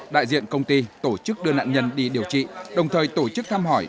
đại diện công ty tổ chức đưa nạn nhân đi điều trị đồng thời tổ chức thăm hỏi